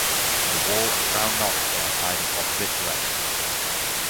In the wall and crown knot they are tied in opposite directions.